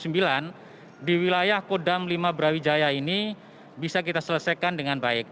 sejumlah sembilan lima ratus sembilan puluh sembilan di wilayah kodam lima brawijaya ini bisa kita selesaikan dengan baik